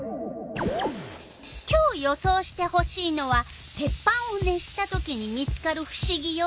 今日予想してほしいのは鉄板を熱したときに見つかるふしぎよ。